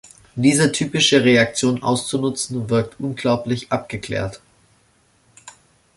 Diese typische Reaktion auszunutzen, wirkt unglaublich abgeklärt.